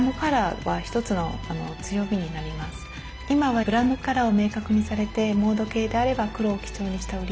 今はブランドカラーを明確にされてモード系であれば黒を基調にした売り場。